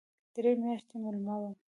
درې میاشتې مېلمه وم.